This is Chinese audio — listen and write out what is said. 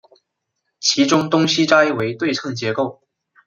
其中东西斋为对称结构。